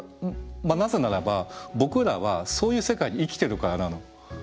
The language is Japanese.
なぜならば僕らはそういう世界に生きてるからなの。